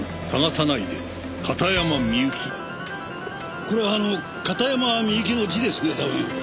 これ片山みゆきの字ですね多分。